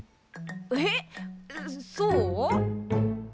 えっそう？